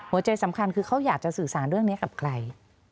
หัวใจสำคัญคือเขาอยากจะสื่อสารเรื่องนี้กับใคร